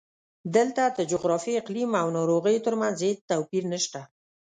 دلته د جغرافیې، اقلیم او ناروغیو ترمنځ هېڅ توپیر نشته.